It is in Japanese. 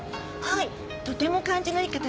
とても感じのいい方でした。